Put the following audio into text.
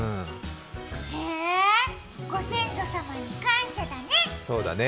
へぇ、ご先祖様に感謝だね。